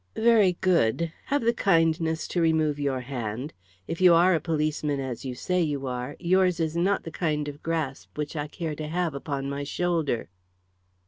"Very good. Have the kindness to remove your hand. If you are a policeman, as you say you are, yours is not the kind of grasp which I care to have upon my shoulder."